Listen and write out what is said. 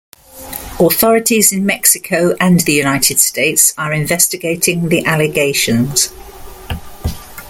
Authorities in Mexico and the United States are investigating the allegations.